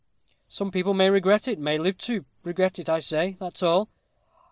Some people may regret it may live to regret it, I say that's all.